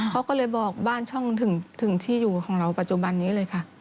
เขาก็เลยบอกบ้านช่องถึงที่อยู่ของเราปัจจุบันนี้เลยค่ะ